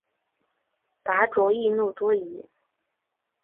拔灼易怒多疑。